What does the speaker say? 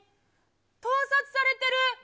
盗撮されてる。